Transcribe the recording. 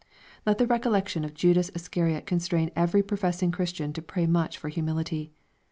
Let the recollection of Judas Iscariot constrain every professing Christian to pray much for humility.